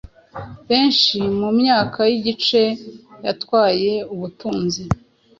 Benshi mumyaka yigice yatwaye ubutunzi